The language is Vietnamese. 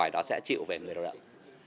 đó sẽ chịu về người lao động